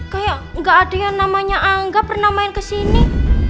kayak gak ada yang namanya angga pernah main kesini